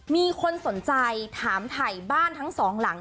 มีคนสนใจถามถ่ายบ้านทั้งสองหลัง